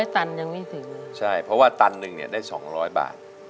ตันยังไม่ถึงเลยใช่เพราะว่าตันหนึ่งเนี่ยได้๒๐๐บาท